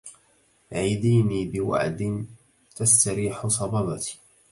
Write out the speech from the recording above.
عديني بوعد تستريح صبابتي